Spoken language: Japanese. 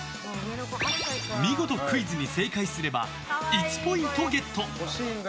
見事クイズに正解すれば１ポイントゲット。